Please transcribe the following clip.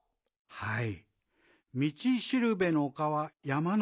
「はい。